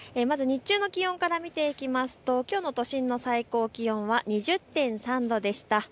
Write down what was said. まず日中の気温から見ていきますと、きょうの都心の最高気温は２０．３度でした。